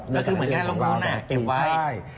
ก็คือเหมือนกันลงมือนะเก็บไว้